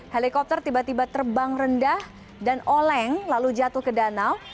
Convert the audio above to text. helikopter tiba tiba terbang rendah dan oleng lalu jatuh ke danau